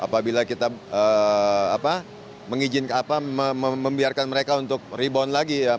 kalau kita mengizinkan mereka untuk rebound lagi